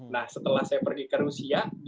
nah setelah saya pergi ke rusia